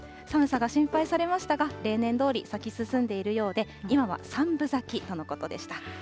寒さが心配されましたが、例年どおり、咲き進んでいるようで、今は３分咲きとのことでした。